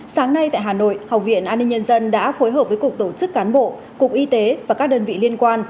sáng nay tại hà nội học viện an ninh nhân dân đã phối hợp với cục tổ chức cán bộ cục y tế và các đơn vị liên quan